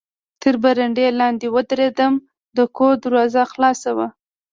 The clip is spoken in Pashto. تر برنډې لاندې و درېدم، د کور دروازه خلاصه وه.